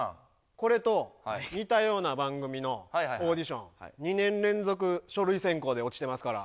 これと似たような番組のオーディション２年連続書類選考で落ちてますから。